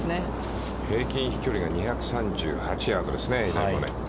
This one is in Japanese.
平均飛距離が２３８ヤードですね。